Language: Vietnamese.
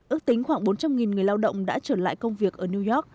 ước tính khoảng bốn trăm linh người lao động đã trở lại công việc ở new york